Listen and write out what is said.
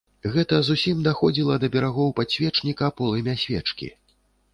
Гэта зусім даходзіла да берагоў падсвечніка полымя свечкі.